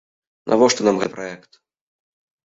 Навошта нам гэты праект?